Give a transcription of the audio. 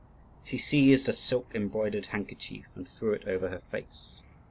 She seized a silk embroidered handkerchief and threw it over her face.